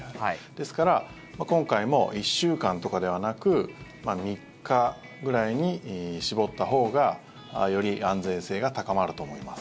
ですから、今回も１週間とかではなく３日ぐらいに絞ったほうがより安全性が高まると思います。